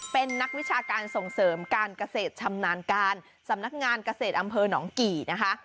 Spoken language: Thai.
เป็นนักวิชาการส่งเสริมการเกษตรชำนาญการสำนักงานเกษตรอำเภอหนองกี่นะคะ